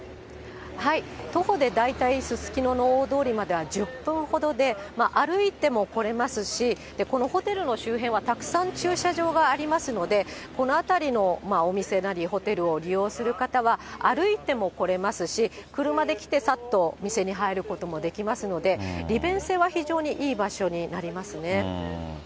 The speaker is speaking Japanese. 徒歩で大体すすきのの大通りまでは１０分ほどで、歩いても来れますし、このホテルの周辺はたくさん駐車場がありますので、この辺りのお店なり、ホテルを利用する方は歩いても来れますし、車で来てさっと店に入ることもできますので、利便性は非常にいい場所にありますね。